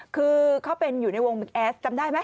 คือเขาเป็นอยู่ในวงบิ๊กแอสจำได้ไหม